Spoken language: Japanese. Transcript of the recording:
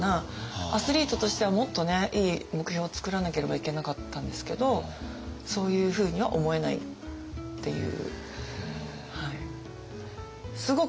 アスリートとしてはもっといい目標をつくらなければいけなかったんですけどそういうふうには思えないっていう。